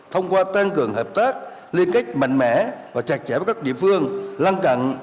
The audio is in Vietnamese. thông qua tăng cường hợp tác liên kết mạnh mẽ và chặt chẽ với các địa phương lân cận